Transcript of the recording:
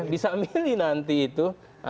bisa memilih nanti itu